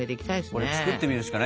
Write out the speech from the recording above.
これ作ってみるしかないんじゃない？